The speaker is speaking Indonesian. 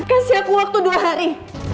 kasih aku waktu dua hari